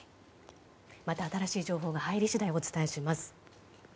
また新しい情報が入り次第お伝えします。